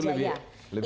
itu lebih aneh